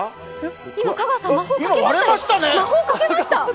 今、香川さん、魔法かけましたよ。